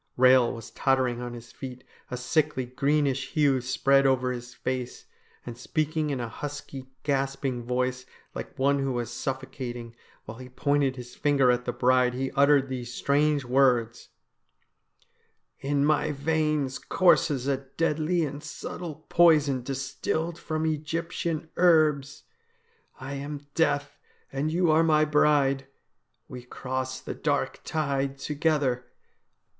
Eehel was tottering on his feet, a sickly, greenish hue spread over his face, and speaking in a husky, gasping voice, like one who was suffocating, while he pointed his finger at the bride, he uttered these strange words :' In my veins courses a deadly and subtle poison distilled from Egyptian herbs. I am Death and you are my bride ; we cross the dark tide together.'